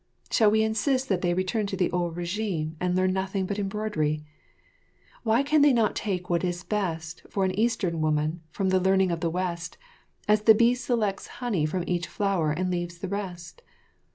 Shall we insist that they return to the old regime and learn nothing but embroidery? Why can they not take what is best for an Eastern woman from the learning of the West, as the bee selects honey from each flower, and leave the rest?